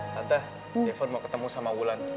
tante defen mau ketemu sama wulan